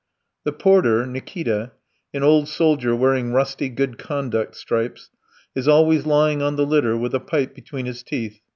The porter, Nikita, an old soldier wearing rusty good conduct stripes, is always lying on the litter with a pipe between his teeth.